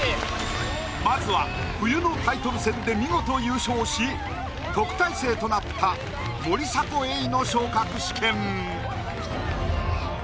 まずは冬のタイトル戦で見事優勝し特待生となった森迫永依の昇格試験。